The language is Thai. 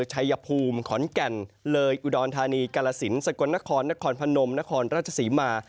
ชัยภูมิขอนแก่นเลยอุดรธานีกาลสินสกลนครนครพนมนครราชศรีมา